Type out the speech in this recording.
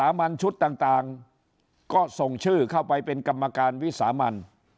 ัญชุดต่างก็ส่งชื่อเข้าไปเป็นกรรมการวิสามัน